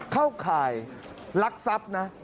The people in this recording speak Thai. เข้าข่ายลักษัพธ์นะ